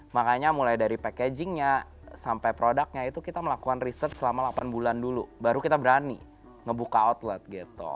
makanya mulai dari packagingnya sampai produknya itu kita melakukan research selama delapan bulan dulu baru kita berani ngebuka outlet gitu